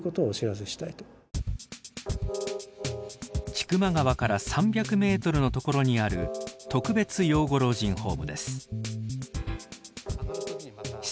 千曲川から３００メートルのところにある特別養護老人ホームです。